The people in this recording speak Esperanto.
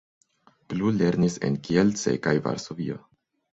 Plu lernis en Kielce kaj Varsovio.